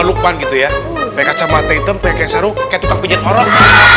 lupan gitu ya mereka sama item pakai sarung ketuk pinjen orang